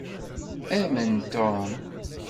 Amen Tom.